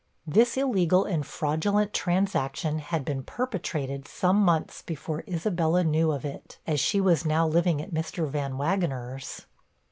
This illegal and fraudulent transaction had been perpetrated some months before Isabella knew of it, as she was now living at Mr. Van Wagener's.